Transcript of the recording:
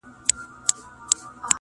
تا سالو زما له منګولو کشولای،